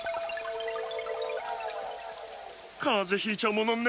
かぜひいちゃうものね。